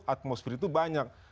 atmosfer itu banyak